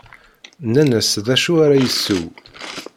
Nnan-as d acu ara isew.